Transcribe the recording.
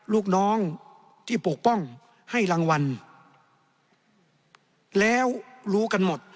ลูกน้องที่ปกป้องให้รางวัลแล้วรู้กันหมด